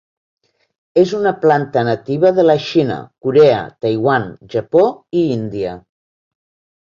És una planta nativa de la Xina, Corea, Taiwan, Japó, i Índia.